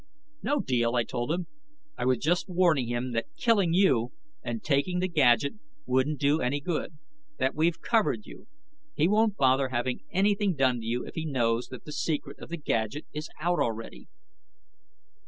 "No deal," I told him. "I was just warning him that killing you and taking the gadget wouldn't do any good, that we've covered you. He won't bother having anything done to you if he knows that the secret of the gadget is out already."